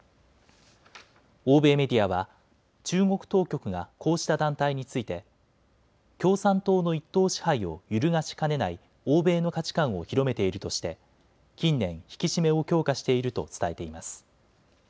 欧米メディアは中国当局がこうした団体について共産党の一党支配を揺るがしかねない欧米の価値観を広めているとして近年引き締めを強化していると伝えています。